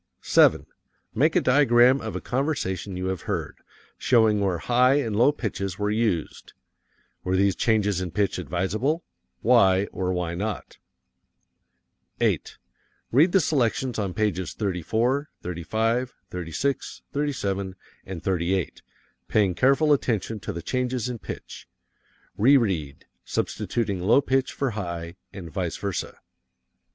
7. Make a diagram of a conversation you have heard, showing where high and low pitches were used. Were these changes in pitch advisable? Why or why not? 8. Read the selections on pages 34, 35, 36, 37 and 38, paying careful attention to the changes in pitch. Reread, substituting low pitch for high, and vice versa.